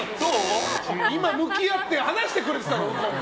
今向き合って話してくれてただろ右近君。